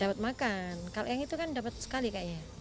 dapat makan kalau yang itu kan dapat sekali kayaknya